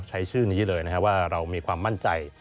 ใช้ชื่อนี้เลยนะครับว่าเรามีความมั่นใจ